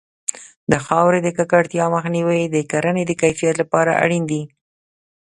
د خاورې د ککړتیا مخنیوی د کرنې د کیفیت لپاره اړین دی.